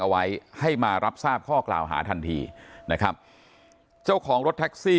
เอาไว้ให้มารับทราบข้อกล่าวหาทันทีนะครับเจ้าของรถแท็กซี่